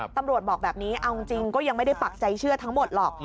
ตำรวจบอกแบบนี้เอาจริงก็ยังไม่ได้ปักใจเชื่อทั้งหมดหรอก